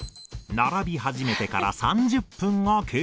並び始めてから３０分が経過